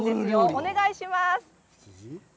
お願いします。